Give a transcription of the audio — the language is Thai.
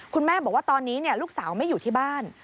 คุณแม่บอกว่าตอนนี้ลูกสาวไม่อยู่ที่บ้าน